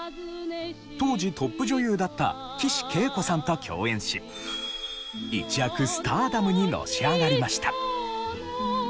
当時トップ女優だった岸惠子さんと共演し一躍スターダムにのし上がりました。